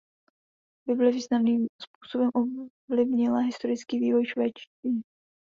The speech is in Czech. Bible významným způsobem ovlivnila historický vývoj švédštiny.